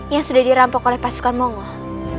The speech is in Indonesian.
yang sudah dirampok oleh pasukan monggol